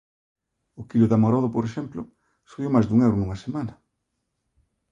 O quilo de amorodo, por exemplo, subiu máis dun euro nunha semana.